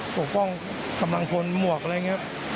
ปกป้องกำลังพลหมวกอะไรอย่างนี้